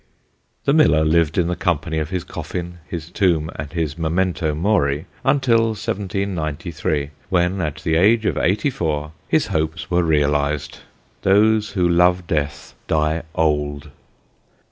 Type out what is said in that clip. The miller lived in the company of his coffin, his tomb, and his mementi mori, until 1793, when at the age of eighty four his hopes were realised. Those who love death die old.